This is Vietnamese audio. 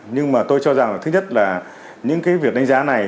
nhưng mà tôi cho rằng là thứ nhất là những cái việc đánh giá này